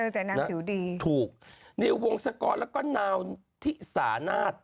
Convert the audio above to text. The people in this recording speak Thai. แต่นางผิวดีถูกนิววงศกรแล้วก็นาวทิสานาศ